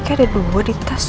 kau ini letih ada dua di tas